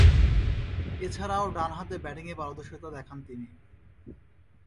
এছাড়াও, ডানহাতে ব্যাটিংয়ে পারদর্শীতা দেখান তিনি।